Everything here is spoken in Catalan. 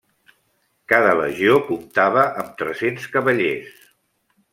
Cada legió comptava amb tres-cents cavallers.